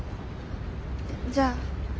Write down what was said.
じゃあ。